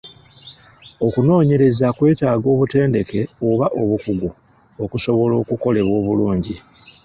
Okunoonyereza kwetaagisa obutendeke oba obukugu okusobola okukolebwa obulungi.